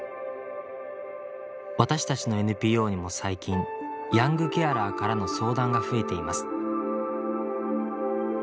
私たちのＮＰＯにも最近ヤングケアラーからの相談が増えています。